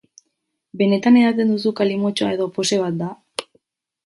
Benetan edaten duzu kalimotxoa edo pose bat da?